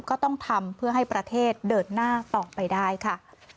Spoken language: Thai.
ก็ต้องทำเพื่อให้ประเทศเดินหน้าต่อไปได้ค่ะ